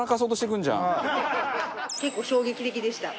結構衝撃的でした。